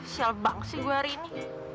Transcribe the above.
sial banget sih gue hari ini